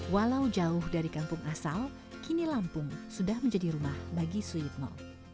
walau jauh dari kampung asal kini lampung sudah menjadi rumah bagi suyitno